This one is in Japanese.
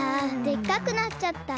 でっかくなっちゃった。